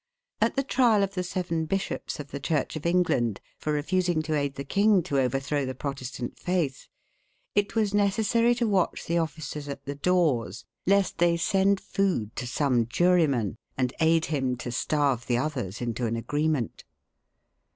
At the trial of the seven bishops of the Church of England for refusing to aid the king to overthrow the Protestant faith, it was necessary to watch the officers at the doors, lest they send food to some juryman, and aid him to starve the others into an agreement.